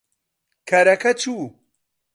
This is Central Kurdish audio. کەرەکە چوو.